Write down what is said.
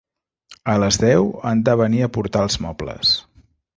A les deu, han de venir a portar els mobles.